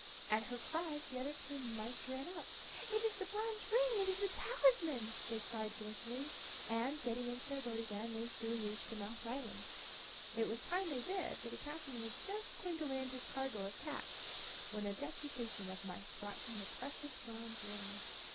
At her cries the other two mice ran up. "It is the bronze ring! It is the talisman!" they cried joyfully, and, getting into their boat again, they soon reached the mouse island. It was time they did, for the captain was just going to land his cargo of cats, when a deputation of mice brought him the precious bronze ring.